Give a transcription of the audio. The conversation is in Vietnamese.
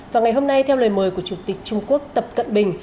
và ngày hôm nay theo lời mời của chủ tịch trung quốc tập cận bình